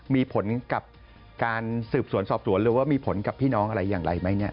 มีผลกับการสืบสวนสอบสวนหรือว่ามีผลกับพี่น้องอะไรอย่างไรไหมเนี่ย